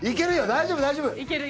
大丈夫大丈夫！